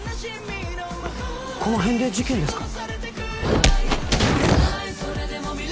この辺で事件ですか？